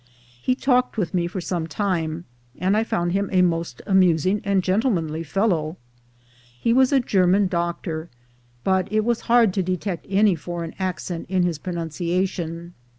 He talked with me for some time, and I found him a most amusing and gentlemanly fellow. He was a German GROWING OVER NIGHT 231 doctor, but it was hard to detect any foreign accent in his pronunciation.